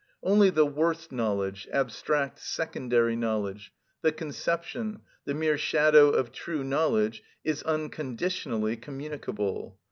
Only the worst knowledge, abstract, secondary knowledge, the conception, the mere shadow of true knowledge, is unconditionally communicable.